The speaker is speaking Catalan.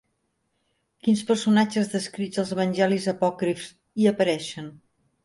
Quins personatges descrits als Evangelis apòcrifs hi apareixen?